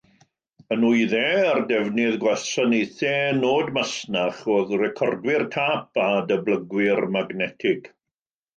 Y nwyddau a'r defnydd Gwasanaethau nod masnach oedd recordwyr tâp a dyblygwyr Magnetig.